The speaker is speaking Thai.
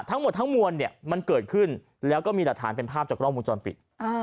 ทั้งหมดทั้งมวลเนี่ยมันเกิดขึ้นแล้วก็มีหลักฐานเป็นภาพจากกล้องวงจรปิด